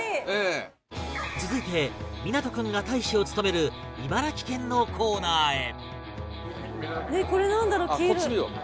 続いて湊君が大使を務める茨城県のコーナーへ